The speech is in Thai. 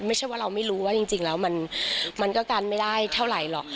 ไม่ใช่ว่าเราไม่รู้ว่าจริงแล้วมันก็กันไม่ได้เท่าไหร่หรอก